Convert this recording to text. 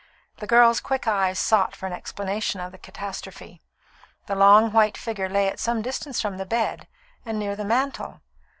The girl's quick eyes sought for an explanation of the catastrophe. The long, white figure lay at some distance from the bed, and near the mantel.